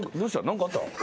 何かあった？